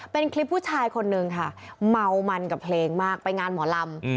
เป็นคลิปผู้ชายคนนึงค่ะเมามันกับเพลงมากไปงานหมอลำ